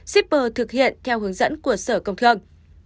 shipper thực hiện theo hướng dẫn của sở công thương